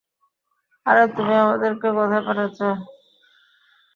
আরে তুমি আমাকে কোথায় পাঠাচ্ছো?